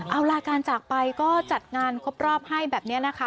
เอาล่ะการจากไปก็จัดงานครบรอบให้แบบนี้นะคะ